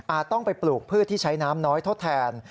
ต้องไปปลูกพืชที่ใช้น้ำน้อยทดแทน